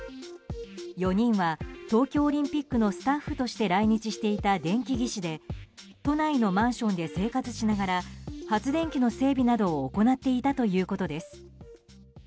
４人は東京オリンピックのスタッフとして来日していた電気技師で都内のマンションで生活しながら発電機の整備などを行っていたということです。